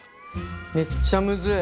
めっちゃむずい。